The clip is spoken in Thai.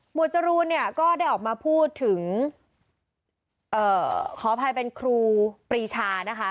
จรูนเนี่ยก็ได้ออกมาพูดถึงขออภัยเป็นครูปรีชานะคะ